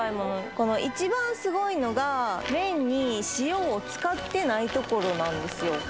この一番すごいのが麺に塩を使ってないところなんですよ